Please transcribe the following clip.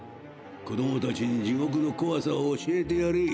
子どもたちに地獄のこわさを教えてやれ！